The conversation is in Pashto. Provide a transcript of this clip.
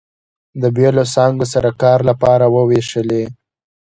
د بېلو څانګو سره کار لپاره ووېشلې.